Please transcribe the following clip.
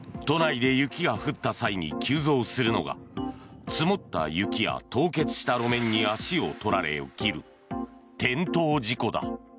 都内で雪が降った際に急増するのが積もった雪や凍結した路面に足をとられ起きる転倒事故だ。